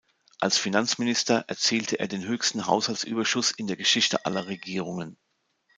Als Finanzminister erzielte er den höchsten Haushaltsüberschuss in der Geschichte aller Regierungen.